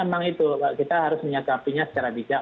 memang itu kita harus menyikapinya secara bijak